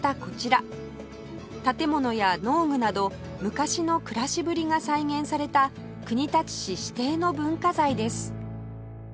建物や農具など昔の暮らしぶりが再現された国立市指定の文化財です